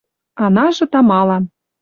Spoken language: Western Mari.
Анажы тамалан